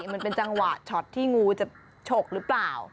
มันเป็นจังหวะช็อตที่งูจะฉกหรือเปล่า